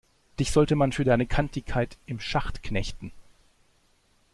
Dich sollte man für deine Kantigkeit im Schacht knechten!